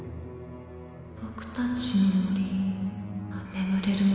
僕たちの森眠れる森